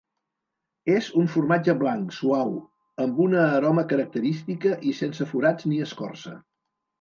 És un formatge blanc, suau, amb una aroma característica i sense forats ni escorça.